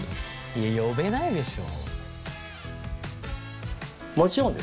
いや呼べないでしょ。